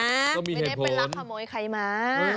ไม่ได้ไปรักขโมยใครมา